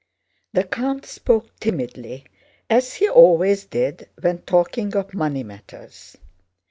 The count spoke timidly, as he always did when talking of money matters.